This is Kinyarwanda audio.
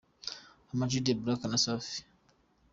Ama G The black na Safi .